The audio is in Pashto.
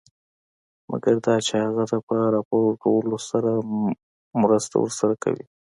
مګر دا چې ته د هغه په راپورته کولو مرسته ورسره کوې.